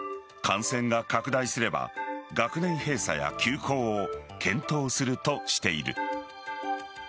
感染が拡大すれば学年閉鎖や休校を検討するとしている。